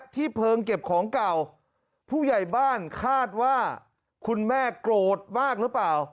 เพลิงเก็บของเก่าผู้ใหญ่บ้านคาดว่าคุณแม่โกรธมากหรือเปล่า